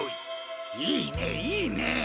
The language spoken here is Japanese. いいねいいね！